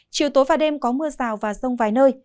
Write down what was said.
chiều tối và đêm có mưa sào và sông vài nơi